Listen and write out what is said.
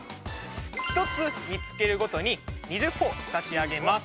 １つ見つけるごとに２０ほぉ差し上げます。